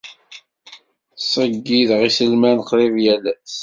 Ttṣeyyideɣ iselman qrib yal ass.